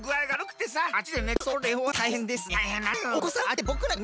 それはたいへんですね。